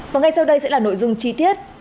và ngay sau đây sẽ là nội dung chi tiết